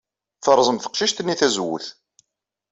Terẓem teqcict-nni tazewwut.